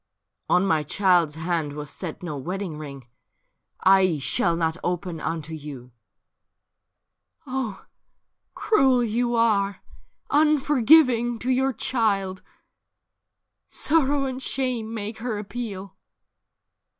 ' On my child's hand was set no wedding ring ; I shall not open unto you.' ' Oh, cruel you are ! Unforgiving to your child : Sorrow and shame make her appeal.'